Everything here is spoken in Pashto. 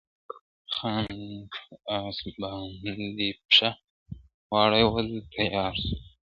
خان پر آس باند پښه واړول تیار سو !.